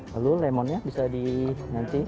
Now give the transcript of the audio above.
lalu lemonnya bisa di nanti